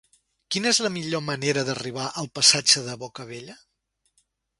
Quina és la millor manera d'arribar al passatge de Bocabella?